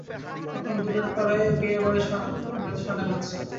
তখন দূরের পাড়ায় বিয়েবাড়িতে সানাই বাজছে।